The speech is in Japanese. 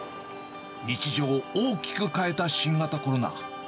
日常を大きく変えた新型コロナ。